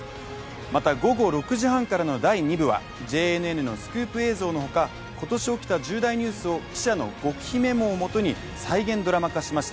また、午後６時半からの第２部はＪＮＮのスクープ映像の他、今年起きた重大ニュースを記者の極秘メモをもとに再現ドラマ化しました。